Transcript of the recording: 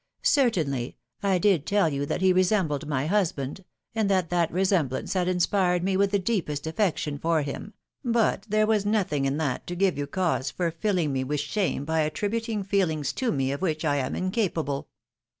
Certainly, I did tell you that he resembled my husband, and that that resemblance had inspired me with the deepest affection for him, but there was nothing in that to give you cause for filling me with shame by attributing feelings to me of which I am incapable.